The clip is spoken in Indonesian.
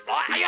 ayo kemari lah